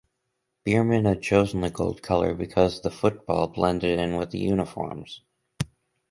Bierman had chosen the gold color because the football blended in with the uniforms.